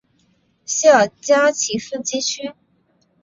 谢尔加奇斯基区。